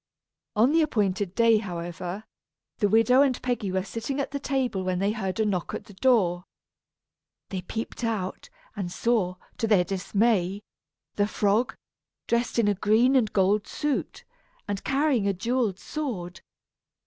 On the appointed day, however, the widow and Peggy were sitting at the table when they heard a knock at the door. They peeped out, and saw, to their dismay, the frog, dressed in a green and gold suit, and carrying a jewelled sword.